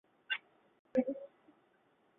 使用贫穷门槛会有很多问题。